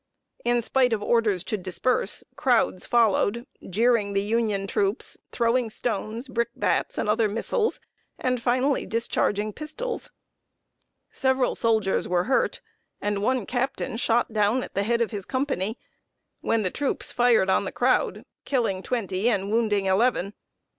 In spite of orders to disperse, crowds followed, jeering the Union troops, throwing stones, brickbats, and other missiles, and finally discharging pistols. Several soldiers were hurt, and one captain shot down at the head of his company, when the troops fired on the crowd, killing twenty and wounding eleven.